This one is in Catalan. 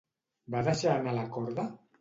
Va deixar anar la corda?